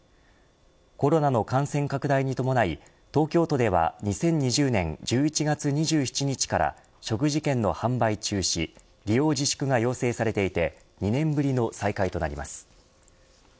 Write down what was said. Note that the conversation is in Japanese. コロナの感染拡大に伴い東京都では２０２０年１１月２７日から食事券の販売中止利用自粛が要請されていて２年ぶりの再開となります。